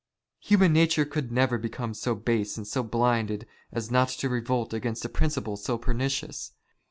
Human nature could never become so base and so blinded as not to revolt against a principle so pernicious.